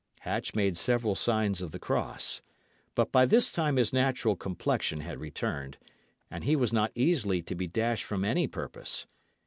Hatch made several signs of the cross; but by this time his natural complexion had returned, and he was not easily to be dashed from any purpose.